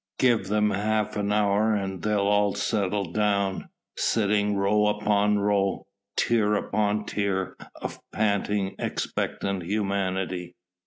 Give them half an hour and they'll all settle down, sitting row upon row, tier upon tier of panting, expectant humanity.